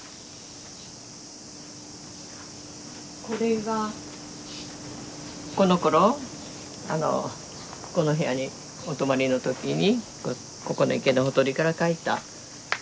これがこのころあのこの部屋にお泊まりの時にここの池のほとりから描いた。